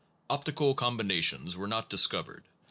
Optical combinations were not discovered.